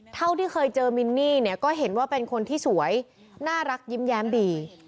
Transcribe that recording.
เท่าที่เคยเจอมินนี่เนี่ยก็เห็นว่าเป็นคนที่สวยน่ารักยิ้มแย้มดี